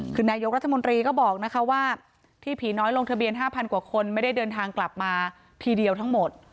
คือนายกรัฐมนตรีก็บอกนะคะว่าที่ผีน้อยลงทะเบียน๕๐๐กว่าคนไม่ได้เดินทางกลับมาทีเดียวทั้งหมด